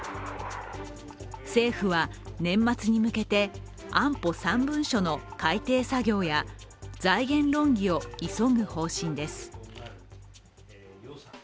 政府は年末に向けて安保３文書の改訂作業や財源論議を急ぐ方針です。